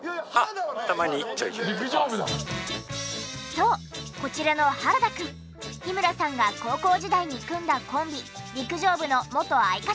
そうこちらの原田くん日村さんが高校時代に組んだコンビ陸上部の元相方。